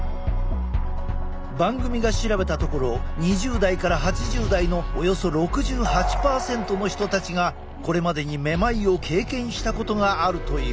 番組が調べたところ２０代から８０代のおよそ６８％の人たちがこれまでにめまいを経験したことがあるという。